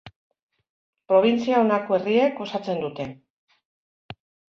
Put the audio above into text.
Probintzia honako herriek osatzen dute.